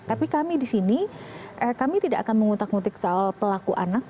tapi kami di sini kami tidak akan mengutak ngutik soal pelaku anak